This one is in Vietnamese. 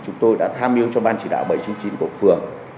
chúng tôi đã tham mưu cho ban chỉ đạo bảy trăm chín mươi chín của phường